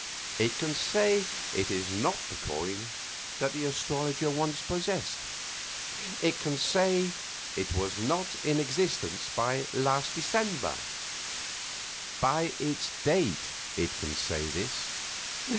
"It can say it is not the coin that the astrologer once possessed. It can say it was not in existence last December. By its date it can say this."